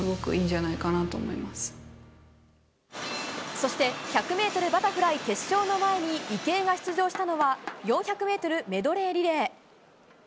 そして１００ｍバタフライ決勝の前に池江が出場したのは４００ｍメドレーリレー。